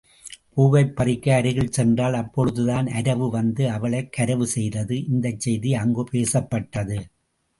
பூவைப் பறிக்க அருகில் சென்றாள் அப்பொழுதுதான் அரவு வந்து அவளைக் கரவு செய்தது இந்தச் செய்தி அங்குப் பேசப்பட்டது.